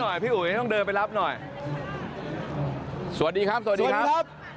สวัสดีครับสวัสดีครับ